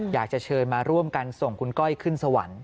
อยากจะเชิญมาร่วมกันส่งคุณก้อยขึ้นสวรรค์